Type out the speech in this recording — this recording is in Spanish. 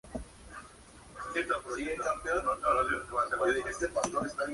En el Mediterráneo occidental, en Canarias, suroeste de Europa y noroeste de África.